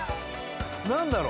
何だろ？